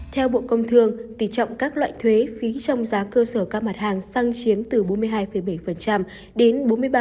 theo bộ công thương tỷ trọng các loại thuế phí trong giá cơ sở các mặt hàng xăng chiếm từ bốn mươi hai bảy đến bốn mươi ba